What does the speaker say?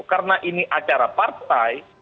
karena ini acara partai